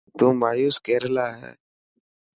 تو مايوس ڪيريريلا هي.